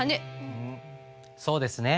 うんそうですね。